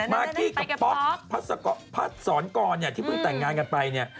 มากี้กับป๊อกพัดสอนก่อนที่เพิ่งแต่งงานกันไป